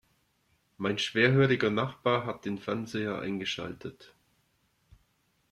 Mein schwerhöriger Nachbar hat den Fernseher eingeschaltet.